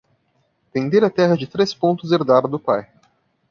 Vender a terra de três pontos herdada do pai